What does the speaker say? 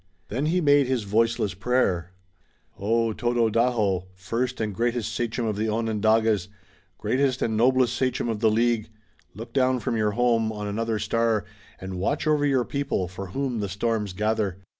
Then he made his voiceless prayer: "O, Tododaho, first and greatest sachem of the Onondagas, greatest and noblest sachem of the League, look down from your home on another star, and watch over your people, for whom the storms gather!